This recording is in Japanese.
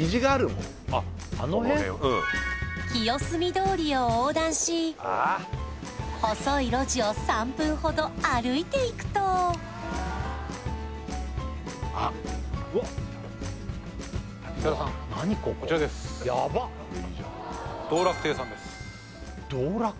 清澄通りを横断し細い路地を３分ほど歩いていくと道楽庭さんです